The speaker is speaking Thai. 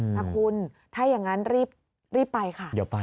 นะคุณถ้าอย่างนั้นรีบไปค่ะ